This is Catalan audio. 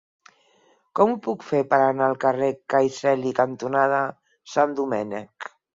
Com ho puc fer per anar al carrer Cai Celi cantonada Sant Domènec?